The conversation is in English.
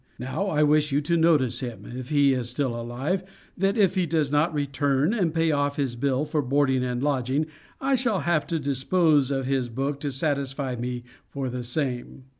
Now, I wish you to notice him, if he is still alive, that if he does not return and pay off his bill for boarding and lodging, I shall have to dispose of his book to satisfy me for the same.